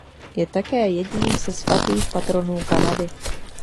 Je také jedním se svatých patronů Kanady.